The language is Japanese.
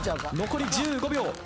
残り１５秒。